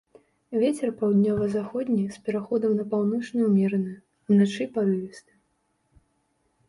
Вецер паўднёва-заходні з пераходам на паўночны ўмераны, уначы парывісты.